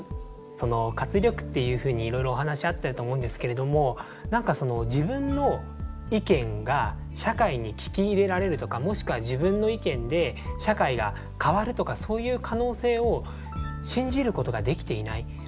活力っていうふうにいろいろお話あったと思うんですけれども何か自分の意見が社会に聞き入れられるとかもしくは自分の意見で社会が変わるとかそういう可能性を信じることができていない。